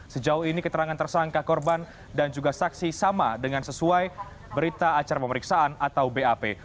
sejauh ini keterangan tersangka korban dan juga saksi sama dengan sesuai berita acara pemeriksaan atau bap